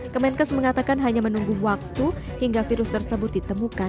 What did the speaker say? kemenkes mengatakan hanya menunggu waktu hingga virus tersebut ditemukan